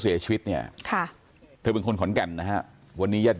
เสียชีวิตเนี่ยค่ะเธอเป็นคนขอนแก่นนะฮะวันนี้ญาติ